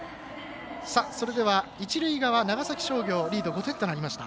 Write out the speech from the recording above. それでは一塁側、長崎商業リード５点となりました。